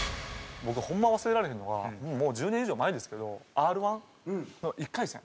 僕ホンマ忘れられへんのがもう１０年以上前ですけどＲ−１の１回戦。